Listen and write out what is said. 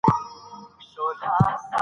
په درنښت